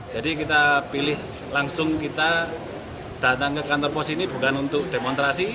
jadi kita pilih langsung kita datang ke kantor pos ini bukan untuk demonstrasi